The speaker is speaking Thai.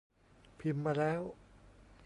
พิมพ์มาแล้ว